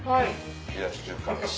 冷やし中華。